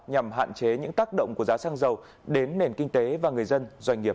nhằm hạn chế những tác động của giá xăng dầu đến nền kinh tế và người dân doanh nghiệp